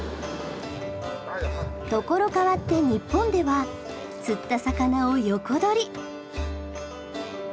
所変わって日本では釣った魚を横取り。